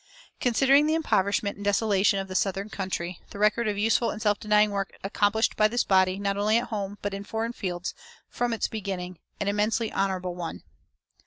Considering the impoverishment and desolation of the southern country, the record of useful and self denying work accomplished by this body, not only at home, but in foreign fields, is, from its beginning, an immensely honorable one.